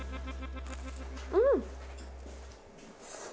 うん！